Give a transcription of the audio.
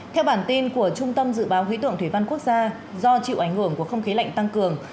theo bản tin của trung tâm dự báo khí tượng thủy văn quốc gia do chịu ảnh hưởng của không khí lạnh tăng cường